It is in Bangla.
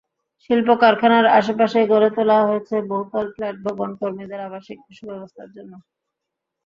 শিল্পকারখানার আশপাশেই গড়ে তোলা হয়েছে বহুতল ফ্ল্যাট ভবন, কর্মীদের আবাসিক সুব্যবস্থার জন্য।